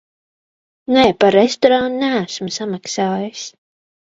Nē, par restorānu neesmu samaksājis.